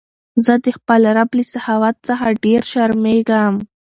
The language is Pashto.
زه د خپل رب له سخاوت څخه ډېر شرمېږم.